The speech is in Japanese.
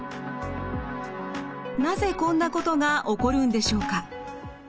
なぜこんなことが起こるんでしょうか？